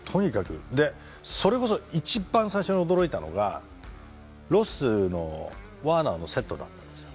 でそれこそ一番最初に驚いたのがロスのワーナーのセットだったんですよ。